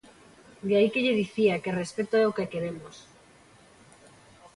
De aí que lle dicía que respecto é o que queremos.